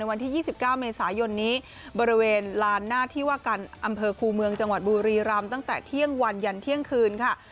วันที่๒๙เมษายนนี้บริเวณลานหน้าที่ว่าการอำเภอคูเมืองจังหวัดบุรีรำตั้งแต่เที่ยงวันยันเที่ยงคืนค่ะ